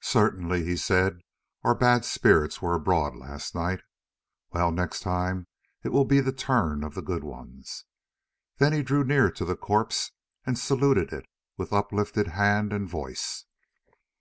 "Certainly," he said, "our bad spirits were abroad last night. Well, next time it will be the turn of the good ones." Then he drew near to the corpse and saluted it with uplifted hand and voice.